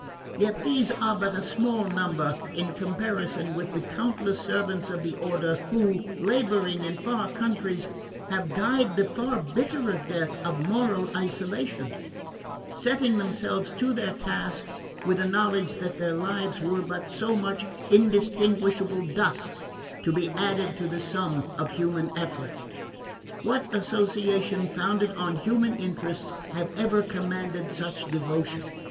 Yet these are but a small number in comparison with the countless servants of the order who, labouring in far countries among savage peoples, or surrounded by the heretical enemies of our faith, have died the far bitterer death of moral isolation: setting themselves to their task with the knowledge that their lives were but so much indistinguishable dust to be added to the sum of human effort. What association founded on human interests has ever commanded such devotion?